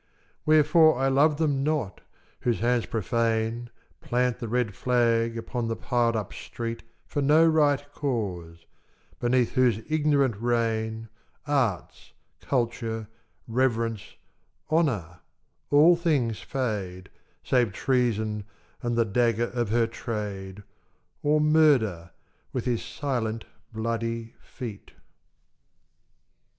Wherefore I love them not whose hands profane Plant the red flag upon the piled up street For no right cause, beneath whose ignorant reign Arts, Culture, Reverence, Honour, all things fade, Save Treason and the dagger of her trade, Or Murder with his silent bloody feet.